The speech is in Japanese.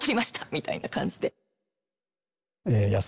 みたいな感じで。